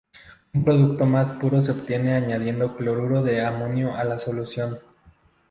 Un producto más puro se obtiene añadiendo cloruro de amonio a la solución.